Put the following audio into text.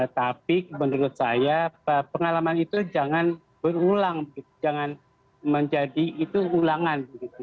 tapi menurut saya pengalaman itu jangan berulang jangan menjadi itu ulangan